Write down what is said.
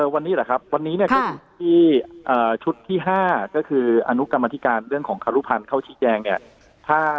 วันนี้แหละครับวันนี้เนี่ยก็คือที่ชุดที่๕ก็คืออนุกรรมธิการเรื่องของคารุพันธ์เข้าชี้แจงเนี่ย